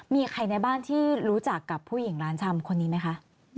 มีใครในบ้านที่รู้จักกับผู้หญิงร้านชำคนนี้ไหมคะ